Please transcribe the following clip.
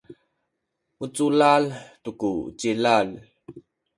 muculal tu ku cilal